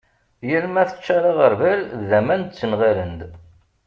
yal ma teččar aγerbal d aman ttenγalen-d